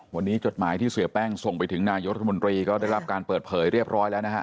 วันนี้จดหมายที่เสียแป้งส่งไปถึงนายกรัฐมนตรีก็ได้รับการเปิดเผยเรียบร้อยแล้วนะฮะ